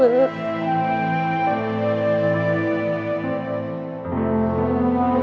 อ่ะไอ้กับแอน